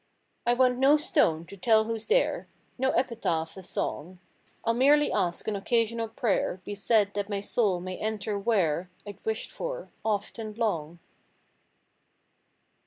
I want no stone to tell who's there— No epitaph a song. ril merely ask an occas'nal prayer Be said that my soul may enter where Fd wished for oft and long.